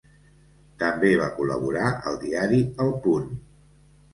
També va col·laborar al diari El Punt.